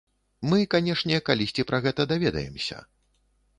Мы, канешне, калісьці пра гэта даведаемся.